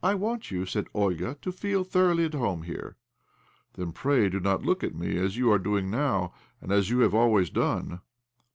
1 want you," said Olga, ' to feel thoroughly at home here." "Then pray do not look at me as you are doing now, and as you have always done."